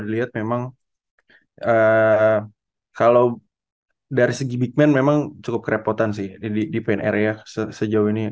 dilihat memang he physiuba ccht dari segi man memang cukup repotan sih the pen area sejauh ini